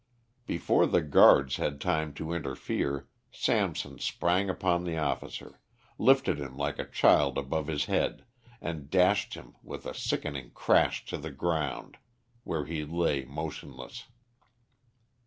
Before the guards had time to interfere, Samson sprang upon the officer, lifted him like a child above his head, and dashed him with a sickening crash to the ground, where he lay motionless.